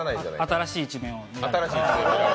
新しい一面を。